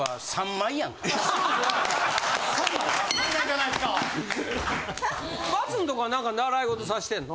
ＭＡＴＳＵんとこは何か習い事させてんの？